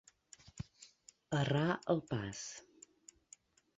Errar el pas.